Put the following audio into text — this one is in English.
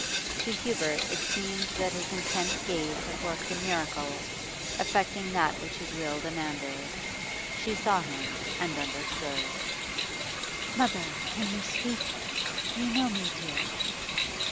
To Hubert it seemed that his intense gaze had worked a miracle, effecting that which his will demanded. She saw him and understood. 'Mother, can you speak? Do you know me, dear?